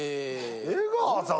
出川さん